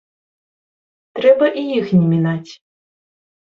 Трэба і іх не мінаць.